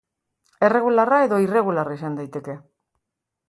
Erregularra edo irregularra izan daiteke.